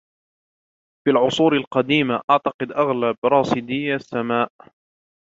في العصور القديمة، اعتقد أغلب راصدي السماء